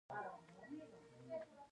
د رقیب دېرې ته مـــخامخ ولاړ یـــم